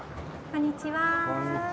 こんにちは。